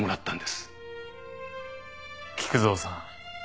菊蔵さん。